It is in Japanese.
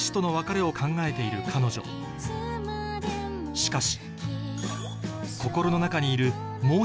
しかし